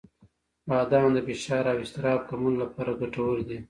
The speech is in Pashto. • بادام د فشار او اضطراب کمولو لپاره ګټور دي.